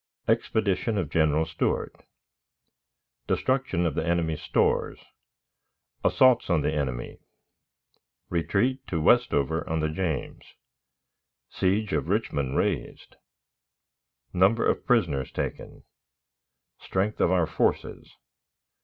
Expedition of General Stuart. Destruction of the Enemy's Stores. Assaults on the Enemy. Retreat to Westover on the James. Siege of Richmond raised. Number of Prisoners taken. Strength of our Forces.